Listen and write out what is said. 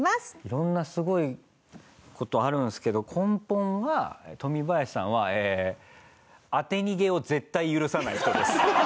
色んなすごい事あるんですけど根本はトミバヤシさんは当て逃げを絶対許さない人です。